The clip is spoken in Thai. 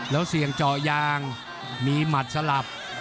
แล้วเสี่ยงเจาะยางมีหมัดสลับ